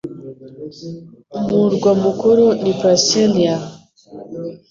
Umurwa mukuru ni Brasília